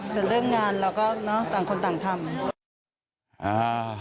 แต่เรื่องงานเราก็เนอะต่างคนต่างทำ